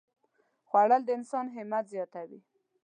خوړل د انسان همت زیاتوي